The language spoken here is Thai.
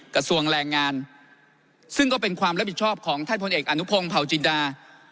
กระทรวงแรงงานซึ่งก็เป็นความรับผิดชอบของท่านพลเอกอนุพงศ์เผาจินดา